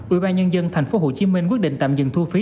ubnd tp hcm quyết định tạm dừng thu phí